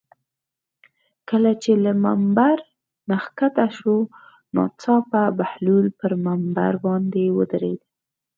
کله چې له ممبر نه ښکته شو ناڅاپه بهلول پر ممبر باندې ودرېد.